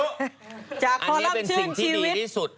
อันนี้เป็นสิ่งที่ดีที่สุดเอาจะคอลับชื่นชีวิต